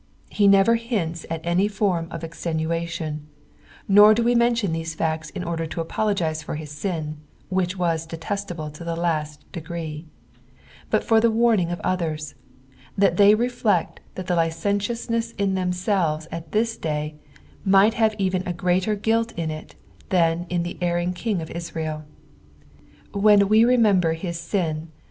He never hints at any form rf extemiaHon. nttr do lee mmlion these facta in order to apologise for his sin, leAicA aas driestaUe to the last degree ; bid for the toaming cf others, thot they rrfteet (AoJ the Ucentiousntss in themsdves at this day might have even a graver giiilt in it than in the erring King of Israd. H'Aen iw remember his sin.